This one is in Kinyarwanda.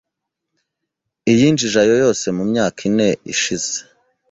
iyinjije ayo yose mu myaka ine ishize.